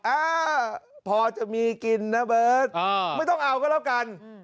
อ่าพอจะมีกินนะเบิร์ตไม่ต้องเอาก็แล้วกัน